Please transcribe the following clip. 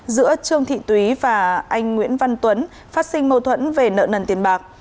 giữa trương thị túy và anh nguyễn văn tuấn phát sinh mâu thuẫn về nợ nần tiền bạc